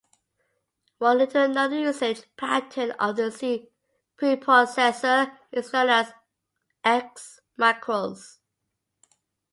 One little-known usage pattern of the C preprocessor is known as X-Macros.